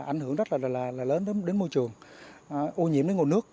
ảnh hưởng rất là lớn đến môi trường ô nhiễm đến nguồn nước